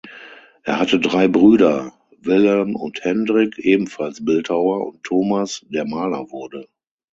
Er hatte drei Brüder, Willem und Hendrick, ebenfalls Bildhauer, und Thomas, der Maler wurde.